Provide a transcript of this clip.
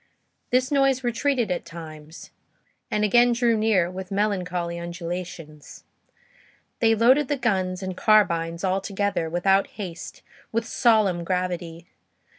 This noise retreated at times, and again drew near, with melancholy undulations. They loaded the guns and carbines, all together, without haste, with solemn gravity.